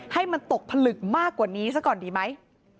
ให้มันตกผลึกมากกว่านี้ซะก่อนดีไหม